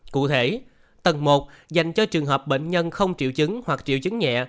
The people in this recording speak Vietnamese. cụ thể tầng một dành cho trường hợp bệnh nhân không triệu chứng hoặc triệu chứng nhẹ